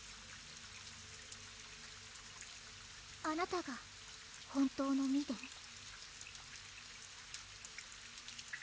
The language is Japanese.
あなたが本当のミデン？